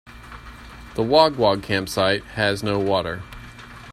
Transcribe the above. The Wog Wog campsite has no water.